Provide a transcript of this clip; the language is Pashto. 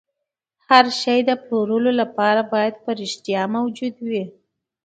هر شی د پلورلو لپاره باید په رښتیا موجود وي